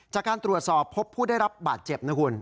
จากการตรวจสอบพบผู้ได้รับบาดเจ็บนะคุณ